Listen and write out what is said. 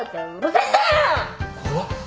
怖っ。